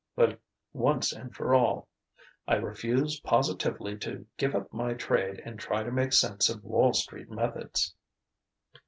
But, once and for all, I refuse positively to give up my trade and try to make sense of Wall Street methods."